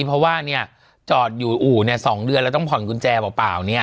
เพราะว่าเนี่ยจอดอยู่อู่เนี่ย๒เดือนแล้วต้องผ่อนกุญแจเปล่าเนี่ย